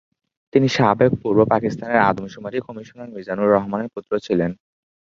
তিনি সাবেক পূর্ব পাকিস্তানের আদমশুমারি কমিশনার মিজানুর রহমানের পুত্র ছিলেন।